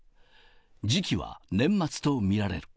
時期は年末と見られる。